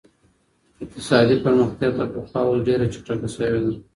اقتصادي پرمختيا تر پخوا اوس ډېره چټکه سوې ده.